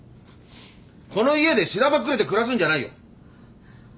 この家でしらばっくれて暮らすんじゃないよ。